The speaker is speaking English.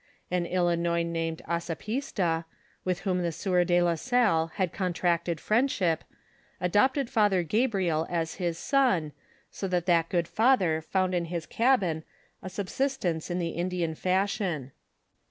An Ilinois named Asapista, with whom the sieur de la Salle had contracted friendship, adopted Father Gabriel as his son, so that that good father found in his cabin a subsistence in the Indian fashion.